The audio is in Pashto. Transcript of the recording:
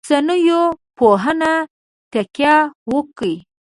اوسنیو پوهنو تکیه وکوي.